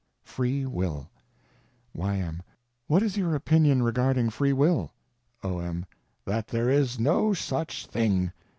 Free Will Y.M. What is your opinion regarding Free Will? O.M. That there is no such thing.